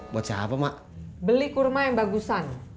beli kurma yang bagusan